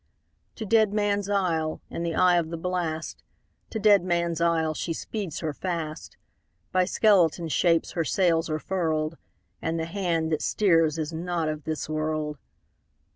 To Deadman's Isle, in the eye of the blast, To Deadman's Isle, she speeds her fast; By skeleton shapes her sails are furled, And the hand that steers is not of this world!